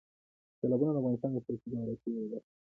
سیلابونه د افغانستان د سیاسي جغرافیې یوه برخه ده.